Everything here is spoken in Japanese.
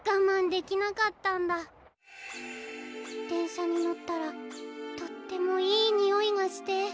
でんしゃにのったらとってもいいにおいがして。